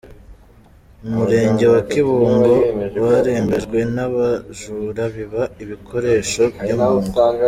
Mu Murenge wa Kibungo barembejwe n’abajura biba ibikoresho byo mu ngo